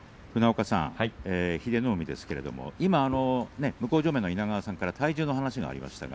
英乃海ですが向正面の稲川さんから体重の話がありました。